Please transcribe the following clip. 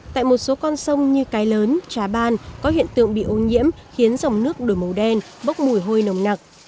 tại một số con sông như cái lớn trà ban có hiện tượng bị ô nhiễm khiến dòng nước đổi màu đen bốc mùi hôi nồng nặc